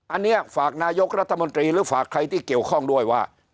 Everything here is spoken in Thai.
อันนี้ฝากนายกรัฐมนตรีหรือฝากใครที่เกี่ยวข้องด้วยว่า